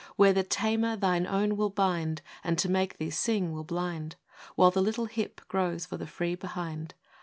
, Where the tamer, thine own, will bind, And, to make thee sing, will blind, While the little hip grows for the free behind